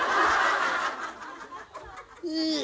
いい。